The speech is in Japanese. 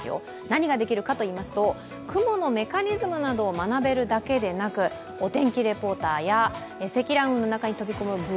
何ができるかといいますと雲のメカニズムなどを学べるだけでなくお天気レポーターや積乱雲の中に飛び込むＶＲ